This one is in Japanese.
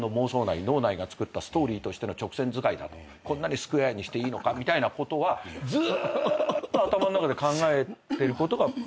脳内がつくったストーリーとしての直線づかいだとこんなにスクエアにしていいのかみたいなことはずーっと頭の中で考えてることがプロの。